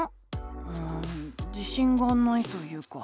うん自しんがないというか。